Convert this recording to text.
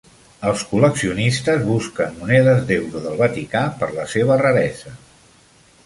Els col·leccionistes busquen monedes d'euro del Vaticà per la seva raresa.